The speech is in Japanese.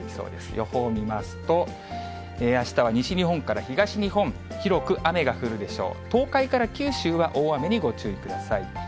予報見ますと、あしたは西日本から東日本、広く雨が降るでしょう。